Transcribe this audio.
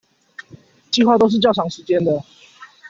計畫都是較長時間的